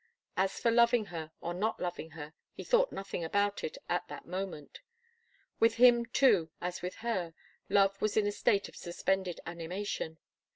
As for loving her, or not loving her, he thought nothing about it at that moment. With him, too, as with her, love was in a state of suspended animation.